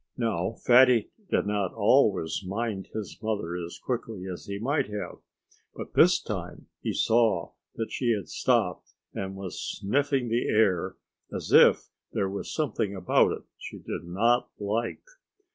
Now, Fatty did not always mind his mother as quickly as he might have. But this time he saw that she had stopped and was sniffing the air as if there was something about it she did not like.